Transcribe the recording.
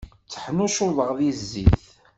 Tteḥnuccuḍeɣ di zzit.